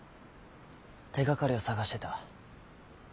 手がかりを探してた。